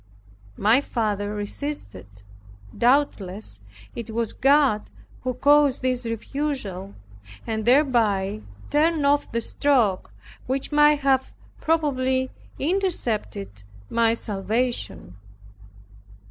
My father resisted. Doubtless it was God who caused this refusal, and thereby turned off the stroke which might have probably intercepted my salvation.